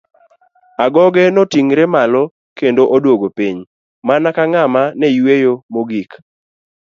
Agoge noting'ore malo kendo oduogo piny mana ka ng'ama ne yueyo mogik.